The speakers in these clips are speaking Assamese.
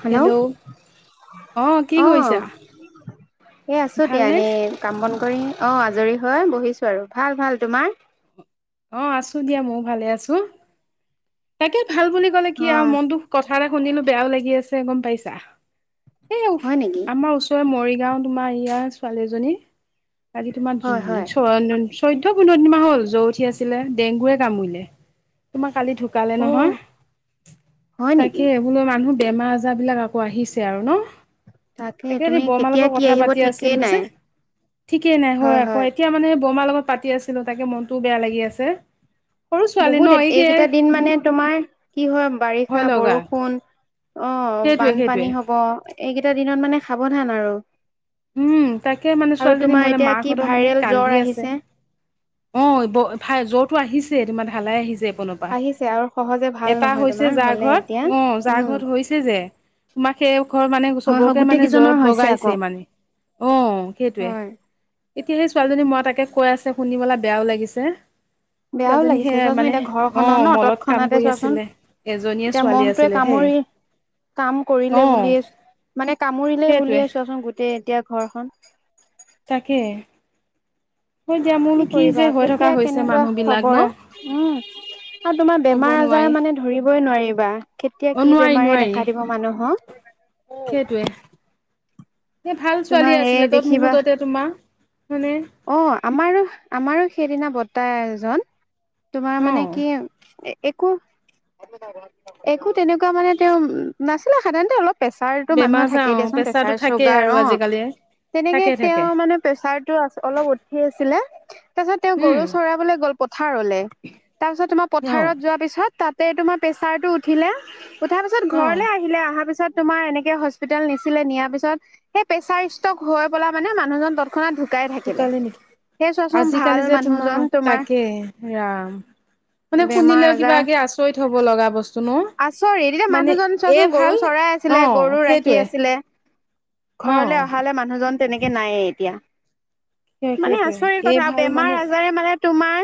হেল্ল' কি অ কৰিছা এ আছো দিয়া ভালনে এনেই কাম বন কৰি। অ 'আজৰি হয় বহিছোঁ আৰু ভাল ভাল তোমাৰ অ আছো দিয়া ময়ো ভালে আছো, তাকে ভাল বুলি কলে কি অ আৰু মনটো কষ্ট কথা এটা শুনিলো বেয়াও লাগি আছে গম পাইছা এই হয় নেকি আমাৰ ওচৰে মৰি। গাও তোমাৰ ইয়াৰ ছোৱালীজনী আজি হয় হয় তোমাৰ [unintelligible] চৈধ্য পোন্ধৰ দিন মান হল জ্বৰ উঠি আছিলে ডেংগুে কামুৰিলে তোমাক। কালি ঢুকালে অ নহয় হয় তাকে নেকি এইবোলেো মানুহ বেমাৰ বিলাক আকৌ আহিছে আৰু ন তাকে এতিয়া তুমি সেই বৰমাৰ কেতিয়া লগত কি কথা আহিব পাতি ঠিকেই আছিলো যে নাই ঠিকেই নাই হয় আকৌ এতিয়া মানে বমাৰ লগত পাতি আছিলো তাকে মনটো বেয়া লাগি আছে সৰু ছোৱালী ন বহুত এই কি এইকেইটা দিন মানে তোমাৰ কি হয় বাৰিষা ভয় লগা বৰষুণ অ সেইটোৱে সেইটোৱে বানপানী হব এইকেইটা দিনত মানে সাৱধান আৰু। উম তাকে মানে আৰু ছোৱালীজনী তোমাৰ মোলে এতিয়া কি মাকহঁতৰ মানে ভাইৰেল কান্দি জ্বৰ আছে আহিছে অ ব ভ জ্বৰটো আহিছে তাৰমানে ঢালাই আহিছে। কোনোবা আহিছে আৰু সহজে ভাল এটা নহয় হৈছে তোমাৰ যাৰ হলে ঘৰত এতিয়া অ যাৰ উম ঘৰত হৈছে যে তোমাক সেই ঘৰ মানে হয় হয় চবকে গোটেই মানে জ্বৰ কেইজনৰ হৈছে বগাইছে আকৌ মানে। অহ সেইটোৱে। হয় এতিয়া সেই ছোৱালীজনী মই তাকে কৈ আছে শুনি পেলায় বেয়াও লাগিছে বেয়াও ছোৱালীজনী লাগিছে সেয়া চোৱাচোন মানে এতিয়া অ ঘৰখনৰ ন মলত কাম তৎক্ষণাতে কৰি চোৱাচোন আছিলে এজনীয়ে এতিয়া ছোৱালী মহটোৱে আছিলে সেই কামুৰি কাম অ কৰিলে বুলিয়ে মানে কামুৰিলে সেইটোৱে বুলিয়ে চোৱাচোন গোটেই এতিয়া ঘৰখন তাকে হয় দিয়া মোৰনো কি যে কৰিবা হৈ থকা কেতিয়া হৈছে কেনেকুৱা মানুহ বিলাক ন খবৰ উম আৰু তোমাৰ ক'ব বেমাৰ নোৱাৰি আজাৰ মানে ধৰিবই নোৱাৰিবা কেতিয়া অ কি নোৱাৰি বেমাৰে নোৱাৰি দেখা দিব মানুহক সেইটোৱে। এ ভাল তোমাৰ ছোৱালী এই আছিলে তত দেখিবা মুহূৰ্ততে তোমাৰ মানে অ আমাৰো আমাৰো সেইদিনা বৰ্তা এজন তোমাৰ অ মানে কি একো একো তেনেকুৱা মানে তেওঁ নাছিলা সাধাৰণতে অলপ। প্ৰেচাৰতো বেমাৰ মানুহৰ আজাৰ থাকেই অ দিয়াচোন প্ৰেছাৰটো প্ৰেচাৰ থাকেই চুগাৰ আৰু অ আজিকালি তেনেকে থাকে তেওঁ থাকে মানে প্ৰেচাৰটো অলপ উঠি আছিলে। তাৰপিছত তেওঁ উম গৰু চৰাবলৈ গ'ল পথাৰলৈ তাৰপিছত তোমাৰ অ পথাৰত যোৱাৰ পিছত তাত তোমাৰ প্ৰেছাৰটো উঠিলে উঠাৰ পিছত অ ঘৰলে আহিলে অহাৰ পিছত তোমাৰ এনেকে হস্পিতেল নিছিলে নিয়াৰ পিছত সেই প্ৰেচাৰ ষ্টক হৈ পেলা মানে মানুহজন তৎক্ষণাত ঢুকাই থাকিলে ঢুকালে নেকি সেই চোৱাচোন ভাল আজিকালি যে মানুহজন তোমাক তোমাৰ তাকে ৰাম মানে বেমাৰ শুনিলেও কিবা আজাৰ আচৰিত হ'ব লগা বস্তু ন আচৰিত এতিয়া মানে মানুহজন এই চোৱাচোন ভাল গৰু চৰাই অ আছিলে গৰু ৰাখি সেইটোৱে আছিলে। অ ঘৰলৈ অহালে মানুহজন তেনেকে নায়েই এতিয়া। মানে সেইটোৱে আচৰিত এই কথা ভাল বেমাৰ মানে আজাৰে মানে তোমাৰ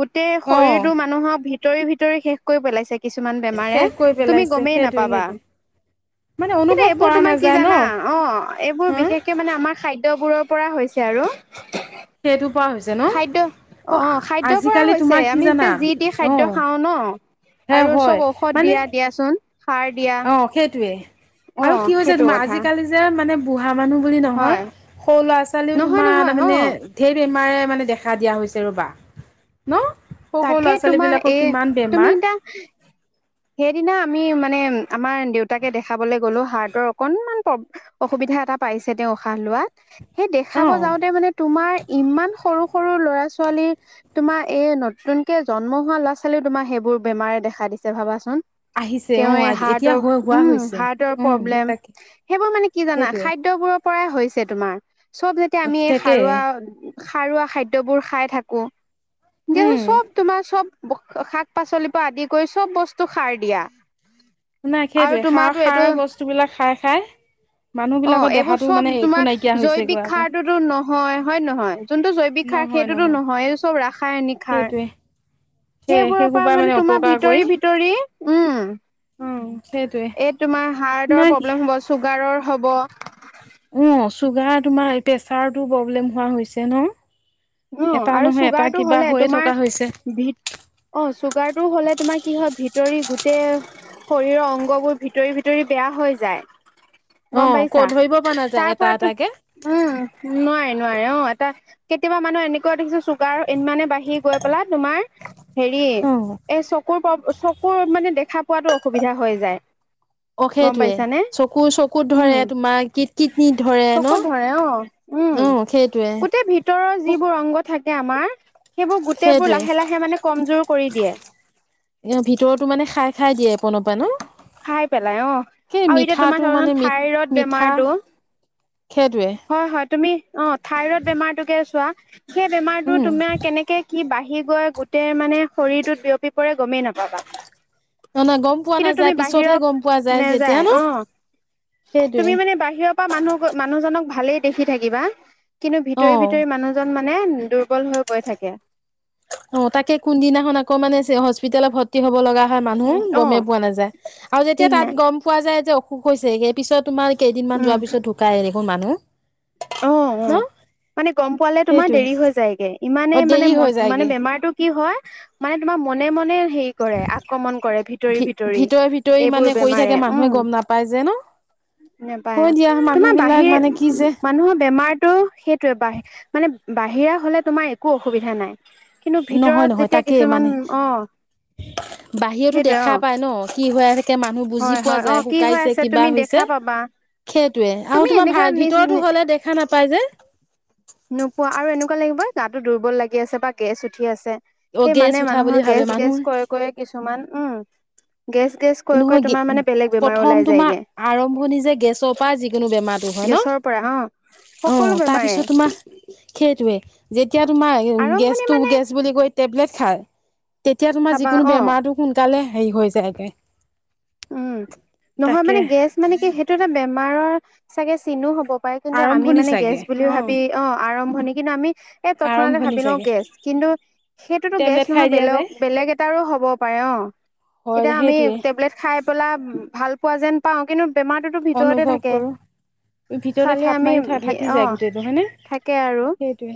গোটেই অ শৰীৰটো মানুহক ভিতৰি ভিতৰি শেষ কৰি পেলাইছে কিছুমান। ইমান বেমাৰে, শেষ কৰি তুমি পেলাইছে গমেই সেইটোৱে নাপাবা সেইটোৱে মানে কিন্তু অনুভৱ এইবোৰ কৰা তোমাৰ কি নাযায় ন জানা অ এইবোৰ হা বিশেষকে মানে আমাৰ খাদ্যবোৰৰ পৰা হৈছে আৰু। সেইটো কোৱা হৈছে খাদ্য অ ন', খাদ্যৰ পৰাই আজিকালি হৈছে তোমাৰ কি আমি জানা যেতিয়া যি টি অ'। খাদ্য খাওঁ ন এ আৰু হয় চব ঔষধ মানে দিয়া দিয়াচোন সাৰ দিয়া অ' সেইটোৱে অ আৰু কি হৈছে সেইটো তোমাৰ কথা আজিকালি যে মানে ভা মানুহ বুলি নহয় হয় সৰু ল'ৰা ছোৱালীও নহয় তোমাৰ নহয় তাৰ অ মানে ধেৰ ইমাৰে মানে দেখা দিয়া হৈছে ৰবা ন সৰু সৰু তাকে ল'ৰা ছোৱালী তোমাৰ এ বিলাকৰ কিমান তুমি বেমাৰ এতিয়া সেইদিনা আমি মানে মানে আমাৰ দেউতাকে দেখাবলৈ গলো হাৰ্টৰ অকনমান অসুবিধা এটা পাইছে তেওঁ উশাহ ৱাত সেই অ দেখাব যাওঁতে মানে তোমাৰ ইমান সৰু সৰু ল'ৰা -ছোৱালীৰ তোমাৰ এই ন নতুকে জন্ম হোৱা ল'ৰা ছোৱালীক তোমাৰ সেইবোৰ বেমাৰে দেখা দিছে ভাবাচোন। আহিছে অ তেওঁ এতিয়া হাৰ্টৰ হৈ হোৱা উম হৈছে হাৰ্টৰ উম প্ৰব্লেম। তাকে সেইবোৰ মানে কি জানা সেইটোৱে খাদ্যবোৰৰ পৰাই হৈছে তোমাৰ চব যেতিয়া আমি এই তাকে সাৰুৱা সাৰুৱা খাদ্যবোৰ খাই থাকো দে উম তমাৰ চব শাক পাচলিৰ পৰা আদি কৰি চব বস্তু সাৰ দিয়া। নাই আৰু সেইটোৱে সাৰ - তোমাৰতো খাৰ এইটো বস্তুবলাক খাই - খাই মানুহ অ' বিলাকৰ এইবোৰ দেহাটো চব মানে একো তোমাৰ নাইকিয়া হৈছে গৈ জৈৱিক আকৌ সাৰটোতো নহয় হয়ে নহয় যোনটো জৈৱিক সাৰ সেইটোতো নহয় এইটো চব ৰাসায়নিক সাৰ। সেইটোৱে সেই সেই সেইবোৰৰ সোপাই পৰা মানে তোমাৰ অপকাৰ কৰি ভিতৰি ভিতৰি উম অ সেইটোৱে এই তোমাৰ হাৰ্টৰ নাই দিয়া প্ৰব্লেম হ'ব চুগাৰৰ হ'ব। অ চুগাৰ তোমাৰ প্ৰেছাৰটো প্ৰব্লেম হোৱা হৈছে ন? অ' এটা আৰু নহয় এটা চুগাৰটো কিবা হ'লে হৈয়ে তোমাৰ থকা হৈছে ভি চুগাৰটো হ'লে তোমাৰ কি হয় ভিতৰি গোটেই শৰীৰৰ অংগবোৰ ভিতৰি ভিতৰি বেয়া হৈ যায়। গম অ' পাইছা ক'ত ধৰিব প তাৰ পৰাতো উম নোৱাৰে নোৱাৰে অ' এটা কেতিয়াবা মানুহৰ এনেকুৱা দেখো চুগাৰ ইমানে বাহী গৈ পেলা তোমাৰ হেৰি অ এ চকুৰ চকুৰ মানে দেখা পোৱাতো অসুবিধা হৈ যায়। অ, গম সেইটোৱে পাইছানে চকু - চকুত ধৰে উম তোমাৰ কট কিতন ধৰে ন? চকুত ধৰে অ উম সেইটোৱে। গোটেই ভিতৰৰ যিবোৰ অংগ থাকে আমাৰ সেইবোৰ গোটেইবোৰ লাহে সেইটোৱে লাহে মানে কমজোৰ কৰি দিয়ে। এ' ভিতৰতো মানে খাই - খাই দিয়ে। ন পাই খাই পেলাই অ ন সেই আৰু এতিয়া তোমাৰ মিঠাটো ধৰা মানে মি থাইৰড মিঠা বেমাৰটো সেইটোৱেই। হয় হয় তুমি অ' থাইৰইড বেমাৰটোকে চোৱা সেই বেমাৰতো উম তুমাৰ কেনেকে কি বাঢ়ি কিকৈ গোটেই মানে শৰীৰটোত বিয়পি পৰে গমেই নাপাবা। ন নাই গম পোৱা কিন্তু তুমি নাযায় পিছতহে বাহিৰত গম পোৱা যায় যেতিয়া নেযায় ন অঁ। তুমি সেইটোৱে মানে বাহিৰৰ পৰা মানুহ-মানুহজনক ভালে দেখি থাকিবা কিন্তু অ ভিতৰে - ভিতৰে মানুহজন মানে মানে দুৰ্বল হৈ গৈ থাকে। অ, তাকে কোনদিনাখন আকৌ মানে হস্পিতেলত ভৰ্তি হ'ব লগা হয় মানুহ উম অ গমেই পোৱা নাযায় আৰু যেতিয়া ঠিক তাত নাই গম পোৱা যায় যে অসুখ হৈছে সে পিছত তোমাৰ কেইদিনমান উম যোৱাৰ পিছত ঢুকাই এনেখোন মানুহ। অ' ন অ' মানে গম পোৱালে তোমাৰ সেইটোৱে দেৰি হৈ যায়গে। ইমানে অ মানে দেৰি মন হৈ মানে যায়গে বেমাৰটো কি হয় মানে তোমাৰ মনে মনে হেৰি কৰে আক্ৰমণ কৰে ভিতৰি ভি ভিতৰি ভিতৰে ভিতৰি এইবোৰ মানে কৰি বেমাৰে থাকে উম মানুহে গম নাপায় যে ন নাপায় হয় দিয়া মানুহ তোমাৰ বিলাক বাহিৰ মানে কি যে মানুহৰ বেমাৰটো সেইটোৱে বাহি মানে বাহিৰা হলে তোমাৰ একো অসুবিধা নাই। কিন্তু ভিতৰত নহয়-নহয় যেতিয়া তাকেই কিছুমান মানে। অ বাহিৰতো সেইটোৱে অ দেখা পায় ন কি হৈ থাকে মানুহ বুজি হয় পোৱা হয় অ যায় কি হৈ শুকাইছে আছে কিবা তুমি হৈছে। দেখা পাবা সেইটোৱে তুমি আৰু তোমাৰ এনেকুৱা গা নিজ ভিতৰতো হলে দেখা নাপায় যে। নোপোৱা আৰু এনেকুৱা লাগিবই গাটো দুৰ্বল লাগি আছে বা গেছ উঠি আছে। অ সেই গেছ মানে উঠা মানুহৰ বুলি ভাবে গেছ মানুহ গেছ কৰে কৰে কিছুমান, উম। গেছ, গেছ, কৈ, কৈ নহয় তোমাৰ মানে বেলেগ বেমাৰ প্ৰথম ওলাই তোমাৰ যায়গে। আৰম্ভণি যে গেছৰ পৰা যিকোনো বেমাৰটো হয় ন গেছৰ পৰা অ', অ সকলো বেমাৰে। তাৰপিছত তোমাৰ সেইটোৱে, যেতিয়া তোমাৰ আৰম্ভণি গেছটো মানে গেছ বুলি কৈ টেবলেট খাই তেতিয়া তোমাৰ খাবা যিকোনো অ বেমাৰতো সোনকালে হেৰি হৈ যায়গে। উম, নহয় মানে গেছ মানে কি সেইটো এটা বেমাৰৰ চাগে চিনো হ'ব। পাই কিন্তু আমি আৰম্ভণি মানে গেছ চাগে বুলি অ ভাবি অ', আৰম্ভণি কিন্তু আমি এই তৎক্ষণাতে আৰম্ভণি ভাবি লওঁ চাগে গেছ কিন্তু সেইটোতো গেছ টেবলেট খাই নহয় দিয়া বেলেগ যায় বেলেগ এটাৰো হ'ব পাৰে। অ', হয় এতিয়া আমি সেইটোৱে টেবলেট খাই পেলাই ভাল পোৱা যেন পাওঁ কিন্তু বেমাৰটোতো ভিতৰতে অনুভৱ থাকে। কৰো ভিতৰতে খালি থাপ আমি মাৰি ভি থাকি যায় অ', গোটেইটো হয়নে থাকে আৰু। সেইটোৱে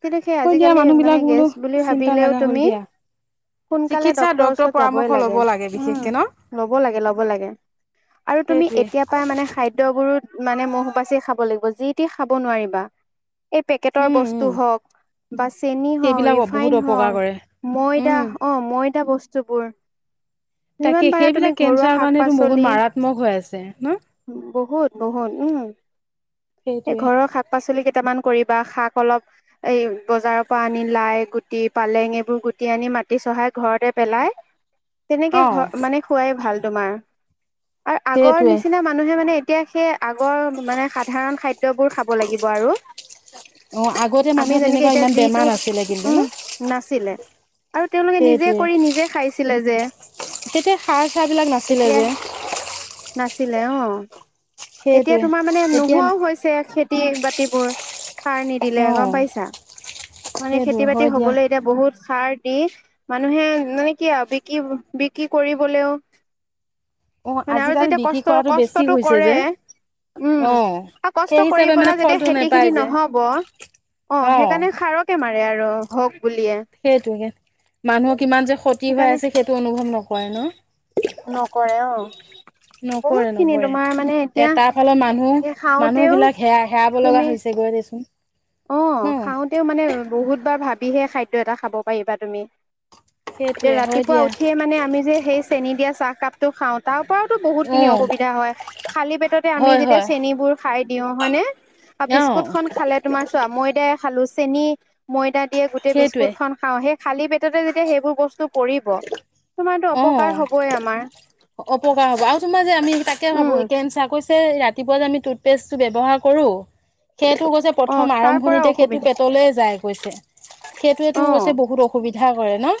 কিন্তু সেই হয় দিয়া আজিকালি মানুহ মানে বিলাক গেছ বোলো বুলি চিন্তা ভাবিলেও লগা হ'ল তুমি দিয়া সোনকালে চিকিৎসা ডক্তৰৰ ওচৰত যাবই পৰামৰ্শ লাগে লব উম, বিশেষকে ন ল'ব ল'ব লাগে, ল'ব লাগে আৰু তুমি সেইটোৱে এতিয়াৰ পাই মানে খাদ্যবোৰ মানে মুখ বাচি খাব লাগিব, যি তি খাব নোৱাৰিবা। এই পেকেটৰ উম উম বস্তু হওঁক বা চেনি হওঁক, সেইবিলাক বহুত ৰিফাইন অপকাৰ হওঁক। কৰে ময়দা উম অ', ময়দা বস্তুবোৰ। যিমান তাকে পাৰা তুমি সেইবিলাক ঘৰুৱা কেঞ্চাৰৰ কাৰণেতো বহুত শাক-পাচলি, মাৰাত্মক হৈ আছে ন বহুত, বহুত, উম। সেইটোৱে ঘৰৰ খা াক পাচলি কেইটামান কৰিবা শাক অলপ এই বজাৰৰ পৰা আনি লাই গুটি পালেং এইবোৰ গুি মাটি আনি মাটি চহাই ঘৰতে পেলাই। তেনেকে অ ঘ মানে খোৱুৱাই ভাল তোমাৰ আৰু আগৰ সেইটোৱে নিচিনা মানুহে মানে এতিয়া সেই আগৰ মানে সাধাৰণ খাদ্যবোৰ খাব লাগিব আৰু। অ আগতে মানুহৰ আমি তেনেকুৱা যেনেকে এতিয়া ইমান বেমাৰ যিটো নাছিলে কিন্তু ন উম নাছিলে। আৰু তেওঁলোকে নিজে সেইটোৱে কৰি নিজে খাইছিলে যে। খাৰ চাৰবিলাক নাছিলে এতিয়া যে। নাছিলে অ, এতিয়া সেইটোৱে তোমাৰ মানে এতিয়া নোহোৱাও হৈছে খেতি বাতিবোৰ। সাৰ নিদিলে অ গম পাইছা মানে সেইটোৱে খেতি বাতি হয় দিয়া হবলৈ এতিয়া বহুত সাৰ দি মানুহে মানে কি আৰু বিক্ৰী বিক্ৰী কৰিবলেও। অ হয়নে আৰু আজিকালি যেতিয়া বিক্ৰী কষ্ট- কৰাটো বেছি কষ্টতটো হৈছে কৰে। যে উম অ আৰু সেই কষ্ট কৰি হিচাপে মানে পেলাই যেতিয়া ফলটো খেতি নোপায় খিনি যে নহব। অ অ সেইকাৰণে সাৰকে মাৰে আৰু হওক। বুলিয়ে সেইটে মানুহৰ কিমান যে ক্ষতি হৈ সেইকাৰণে আছে সেইটো অনুভৱ নকৰে ন। নকৰে অ'। বহুত নকৰে- খিনি নকৰে তোমাৰ মানে এ এতিয়া তাৰ ফালত এই মানুহ- মানুহ খাওঁতেও বিলাক হে - হেৰাব লগা তুমি হৈছে গৈ। আছোন। অ খাওঁতেও মানে বহুত বাৰ ভাবিহে খাদ্য এটা খাব পাৰিবা তুমি। এতিয়া সেইটোৱে হয় ৰাতিপুৱা দিয়া উঠিয়ে মানে আমি যে সেই চেনী দিয়া চাহকাপটো খাওঁ তও কৰাতো অ বহুতখিনি অসুবিধা হয় খালি পেটতে আমি হয় যেতিয়া হয় চেনী বোৰ খাই দিওঁ হয়নে? আৰু অ বিস্কুট খন খালে তোমাৰ চোৱা ময়দাই খালো চেনি ময়দা গোটেই সেইটোৱে বিস্কুট খাওঁ সেই খালি পেটতে যেতিয়া সেইবোৰ বস্তু পৰিব। তোমাৰতো অ, অপকাৰ হবই আমাৰ অপকাৰ হব আৰু তোমাৰ যে আমি তাকে উম ভাবো একে কেন্সাৰ ৰাতিপুৱা যে আমি টুথপেষ্টটো ব্যৱহাৰ কৰো। সেইটো গৈছে অ প্ৰথম তাৰ পৰা আৰম্ভণিতে সেইটো অসুবিধা পেটলে যায় গৈছে। অ সেইটোৱেতো পিছত বহুত অসুবিধা কৰে ন।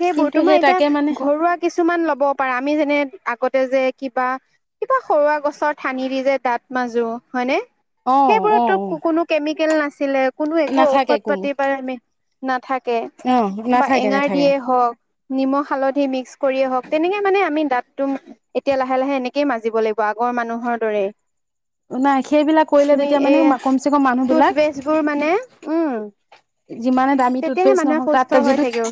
সেইবোৰ কিন্তু তোমাৰ সেই তাকে মানে এতিয়া ঘৰুৱা কিছুমান ল'ব পাৰা আমি যেনে আগতে যে কিবা-কিবা সৰুৱা গছৰ ঠানি দি যে দাঁত মাজো হয়নে। অ অ অ সেইবোৰতটো কোনো কেমি নাছিলে কোনো একো নাথাকে ঔষধ কোনো পাতি নাথাকে। অ', নাথাকে, নাথাকে। যিয়ে হওঁক। নিমখ, হালধি মিক্স কৰিয়ে হওঁক তেনেকে মানে আমি দাঁতটো এতিয়া লাহে, লাহে এনেকয়ে মাজিব লাগিব আগত মানুহৰ দৰেই। নাই সেইবিলাক কৰিলে তুমি তেতিয়া মানে এই কমচে কম মানুহ বিলাক টুথপেষ্টবোৰ মানে উ'ম। যিমানে দামী তেতিয়াহে টুথপেষ্ট মানুহে নহওক সুস্থ তাত হৈ যিটো থাকিব।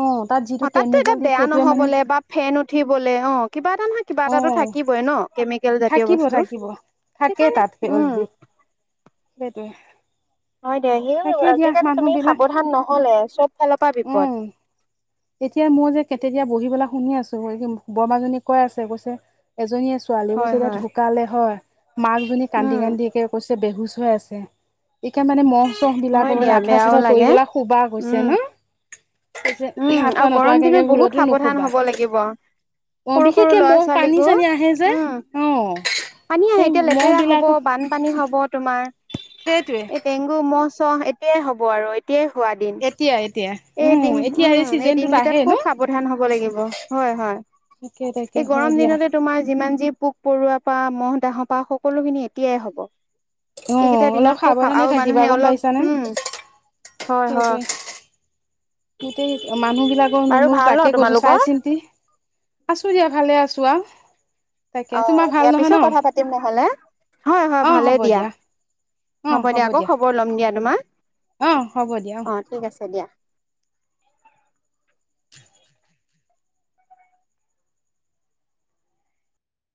অ তাত যিটো অ', তাততো এতিয়া কেমিকেল দিয়ে বেয়া সেইটোৱে মানে নহবলে বা ফেন উঠিবলে। অ', কিবা এটা নহয় কিবা অ এটাটো থাকিবই ন। কেমিকে থাকিব, থাকিব থাকে তাত সেই অলৰেডি, উম দি সেইটোৱে। হয়, দিয়া সেই তাকে দিয়া আজিকালি মানুহ তুমি বিলাক সাৱধান নহলে চব ফালৰ পৰা বিপদ। উম এতিয়া মই যে তিতিয়া বহি পেলাই শুনি আছো বৰমাজনী কৈ আছে কৈছে এজনী ছো ছোৱালী হয় কৈছে, এতিয়া হয় ঢুকালে হয় মাকজনী কান্দি উম -কান্দি একে কৈছে। বেহুচ হৈ আছে, এতিয়া মানে ম মহ হয় বিলাকৰ দিয়া কাৰণে আঠুৱা- বেয়াও চাঠুৱা তৰি লাগে পেলাই শুবা গৈছে উম ন। কৈছে উ'ম আঁঠুৱা আৰু গৰম নতৰাকে দিনত বহুত ভুলতো সাৱধান নুশুবা হব লাগিব। অ সৰু, সৰু বিশেষকে ল'ৰা মহ পানী -ছোৱালীকো। চানী আহে যে উ, অ ম। পানী আহে, সেই এতিয়া মহ লেতেৰা বিলাক হব বানপানী হব। তোমাৰ সেইটোৱে এই ডেংগু মহ অ'হ এতিয়াই হ'ব আৰু এতিয়াই হোৱা দিন এতিয়া, এতিয়া। এই উম দিন এতিয়া উ'ম এই দিন চিজনটোত কেইটাত আহে ন খুব সাৱধান হ'ব লাগিব। হয়, হয়। তাকে তাকে এই হয় গৰম দিয়া দিনতে তোমাৰ যিমান যি পোক, পৰুৱা পা মহ' ডাহৰ পা সকলোখিনি এতিয়াই হ'ব। অ এইকেইটা অলপ দিনত খুব সাবধান সাৱধানে আৰু থাকিবা মানুহে গম অলপ, পাইছানে হুম। হয়, হয়। সেইটোৱে গোটেই মানুহ বাৰু বিলাকৰ ভাল ন তাকে কৈছো চাই, তোমালোকৰ? চিন্তি আছো দিয়া, ভালে আছো। চোৱা। অ', দিয়াৰ পিছত কথা পাতিম নহলে হয়, হয় অ হ'ব ভালেই দিয়া। হ'ব দিয়া আকৌ খবৰ লম দিয়া তোমাৰ অ হ'ব দিয়া অ' ঠিক আছে দিয়া।